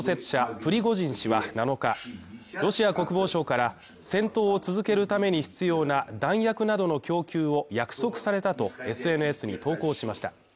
プリゴジン氏は７日、ロシア国防省から戦闘を続けるために必要な弾薬などの供給を約束されたとＳＮＳに投稿しました。